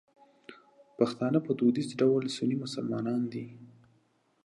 پښتانه په دودیز ډول سني مسلمانان دي.